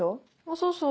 そうそう。